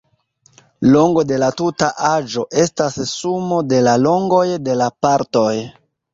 Longo de la tuta aĵo estas sumo de longoj de la partoj.